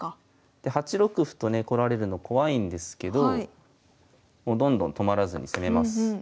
で８六歩とね来られるの怖いんですけどもうどんどん止まらずに攻めます。